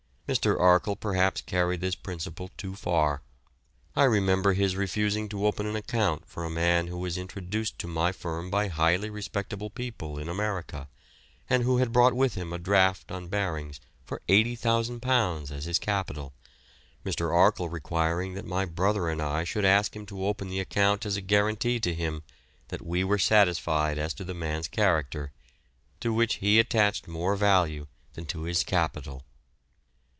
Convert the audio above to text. Mr. Arkle perhaps carried this principle too far. I remember his refusing to open an account for a man who was introduced to my firm by highly respectable people in America, and who had brought with him a draft on Barings for £80,000 as his capital, Mr. Arkle requiring that my brother and I should ask him to open the account as a guarantee to him that we were satisfied as to the man's character, to which he attached more value than to his capital.